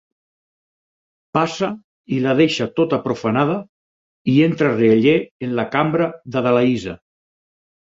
Passa, i la deixa tota profanada... I entra rialler en la cambra d’Adalaisa.